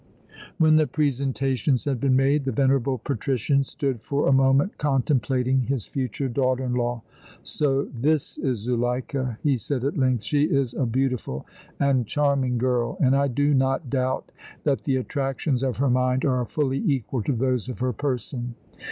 When the presentations had been made, the venerable Patrician stood for a moment contemplating his future daughter in law. "So this is Zuleika!" he said at length. "She is a beautiful and charming girl, and I do not doubt that the attractions of her mind are fully equal to those of her person!